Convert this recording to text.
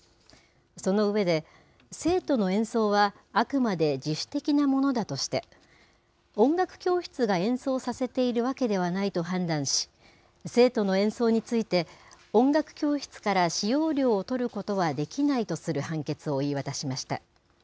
その上で、生徒の演奏はあくまで自主的なものだとして、音楽教室が演奏させているわけではないと判断し、生徒の演奏について、音楽教室から使用料をとることはできないとする判決を言い渡しました。